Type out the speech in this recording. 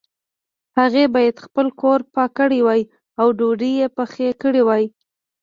هغې باید خپل کور پاک کړی وای او ډوډۍ یې پخې کړي وای